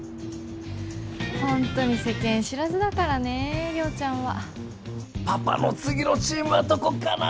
ホントに世間知らずだからね亮ちゃんはパパの次のチームはどこかな１２！